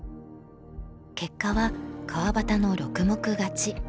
結果は川端の６目勝ち。